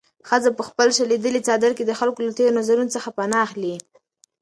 ښځه په خپل شلېدلي څادر کې د خلکو له تېرو نظرونو څخه پناه اخلي.